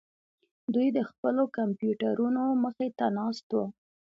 دوی د خپلو کمپیوټرونو مخې ته ناست وو